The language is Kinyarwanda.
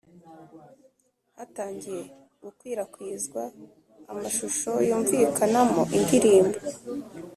hatangiye gukwirakwizwa amashusho yumvikanamo indirimbo